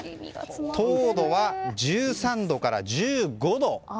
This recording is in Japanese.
糖度は１３度から１５度。